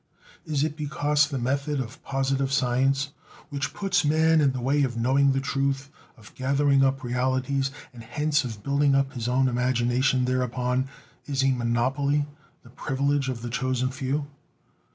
Is it because the method of positive science, which puts man in the way of knowing the truth, of gathering up realities and hence of building up his own imagination thereupon is a monopoly, the privilege of the chosen few?